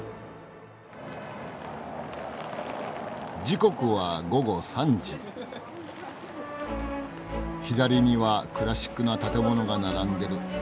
時刻は左にはクラシックな建物が並んでる。